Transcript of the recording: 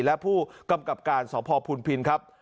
และผู้กำกับการสพพุนพินครับ